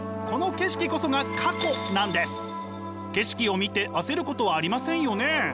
景色を見て焦ることはありませんよね？